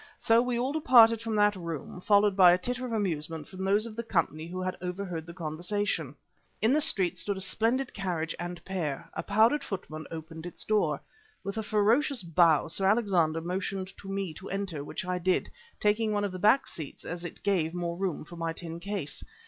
So we all departed from that room, followed by a titter of amusement from those of the company who had overheard the conversation. In the street stood a splendid carriage and pair; a powdered footman opened its door. With a ferocious bow Sir Alexander motioned to me to enter, which I did, taking one of the back seats as it gave more room for my tin case.